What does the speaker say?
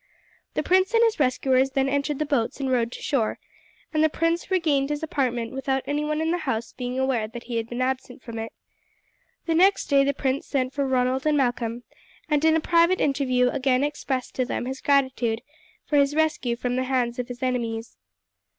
The prince and his rescuers then entered the boats and rowed to shore, and the prince regained his apartment without anyone in the house being aware that he had been absent from it. The next day the prince sent for Ronald and Malcolm, and in a private interview again expressed to them his gratitude for his rescue from the hands of his enemies.